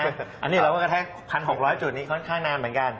อันนี้เราก็กระแทก๑๖๐๐จุดนี้ค่อนข้างนานเหมือนกัน